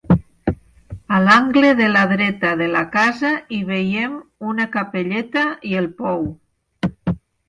A l'angle de la dreta de la casa hi veiem una capelleta i el pou.